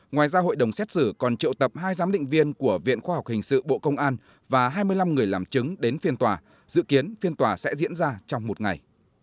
ngoài ra hội đồng xét xử còn triệu tập hai giám định viên của viện khoa học hình sự bộ công an và hai mươi năm người làm chứng đến phiên tòa dự kiến phiên tòa sẽ diễn ra trong một ngày